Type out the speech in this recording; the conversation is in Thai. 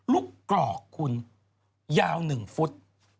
ลูกกรอกคุณยาวหนึ่งฟุต